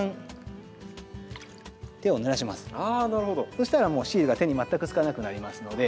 そしたらもうシールが手に全くつかなくなりますので。